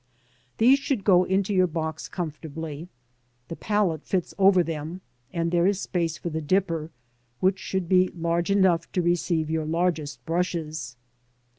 These should go into your box comfortably. The palette fits over them, and there is space for the dipper, which should be large enough to receive your largest brushes.